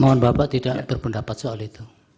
mohon bapak tidak berpendapat soal itu